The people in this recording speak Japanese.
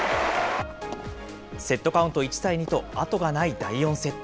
セットカウント１対２とあとがない第４セット。